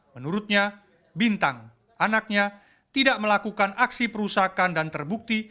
menurutnya bintang anaknya tidak melakukan aksi perusahaan dan terbukti